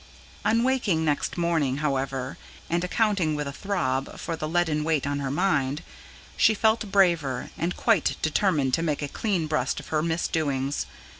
On waking next morning, however, and accounting, with a throb, for the leaden weight on her mind, she felt braver, and quite determined to make a clean breast of her misdoings.